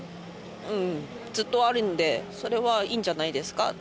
うんずっとあるんでそれはいいんじゃないですか